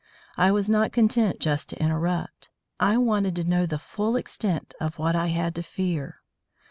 I was not content just to interrupt. I wanted to know the full extent of what I had to fear.